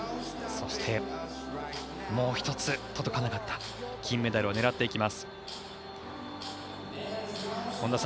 そして、もう１つ届かなかった金メダルを狙っていきます。